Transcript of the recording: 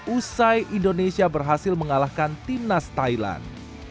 usai indonesia berhasil mengalahkan tim nas thailand